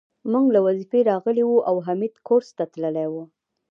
مور له وظيفې راغلې وه او حميد کورس ته تللی و